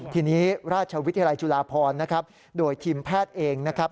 ทีนี้ราชวิทยาลัยจุฬาพรนะครับโดยทีมแพทย์เองนะครับ